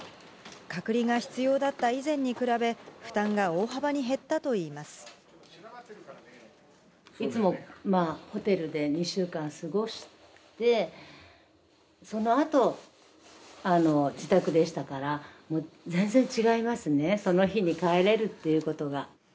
隔離が必要だった以前に比べ、いつもホテルで２週間過ごして、そのあと、自宅でしたから、もう全然違いますね、その日に帰れるっていうことが。